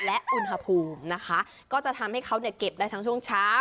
และอุณหภูมินะคะก็จะทำให้เขาเนี่ยเก็บได้ทั้งช่วงเช้า